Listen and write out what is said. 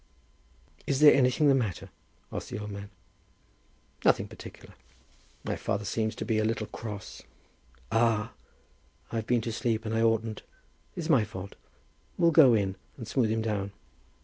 "Is there anything the matter?" asked the old man. "Nothing particular. My father seems to be a little cross." "Ah! I've been to sleep and I oughtn't. It's my fault. We'll go in and smooth him down."